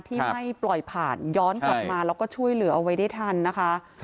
ที่ไม่ปล่อยผ่านย้อนกลับมาแล้วก็ช่วยเหลือเอาไว้ได้ทันนะคะ